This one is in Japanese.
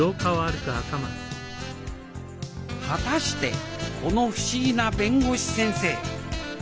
果たしてこの不思議な弁護士先生